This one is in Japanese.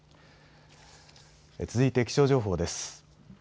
続いて気象情報です。